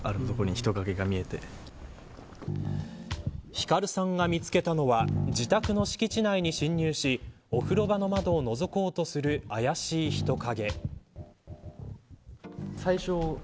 輝さんが見つけたのは自宅の敷地内に侵入しお風呂場の窓をのぞこうとする怪しい人影。